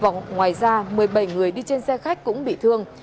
ngoài ra một mươi bảy người đi trên xe khách cũng bị thương